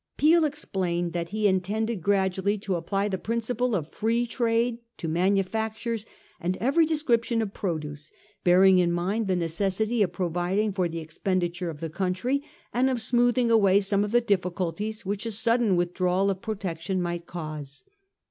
Peel explained that he intended gradually to apply the principle of Free Trade to manufactures and every description of produce, bearing in mind the necessity of providing for the expenditure of the country, and of smoothing away some of the difficulties which a sudden withdrawal of protection might cause.